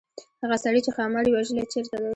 هغه سړی چې ښامار یې وژلی چيرته دی.